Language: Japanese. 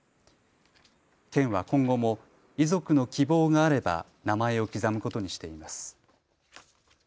県は今後も遺族の希望があれば名前を刻むことにしています。